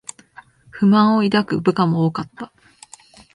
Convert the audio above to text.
不満を抱く部下も多かった